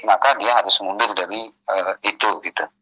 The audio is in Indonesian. maka dia harus mundur dari itu gitu